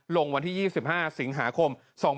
ลงวันที่๒๕สิงหาคม๒๕๖๒